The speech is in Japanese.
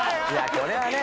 これはね。